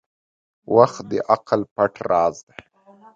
• وخت د عقل پټ راز دی.